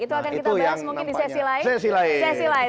itu akan kita bahas mungkin di sesi lain